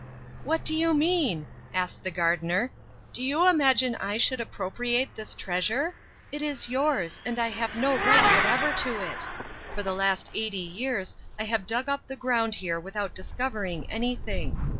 "What do you mean?" asked the gardener. "Do you imagine that I should appropriate this treasure? It is yours, and I have no right whatever to it. For the last eighty years I have dug up the ground here without discovering anything.